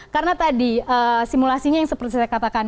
karena tadi simulasinya yang seperti saya katakan